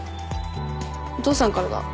お父さんからだ。